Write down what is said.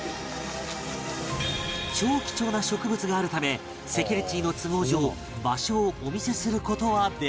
超貴重な植物があるためセキュリティーの都合上場所をお見せする事はできない